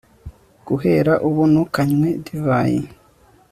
guhera ubu, ntukanywe divayi